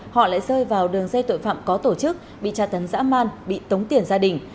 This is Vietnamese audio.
họ lại rơi vào đường dây tội phạm có tổ chức bị tra tấn dã man bị tống tiền gia đình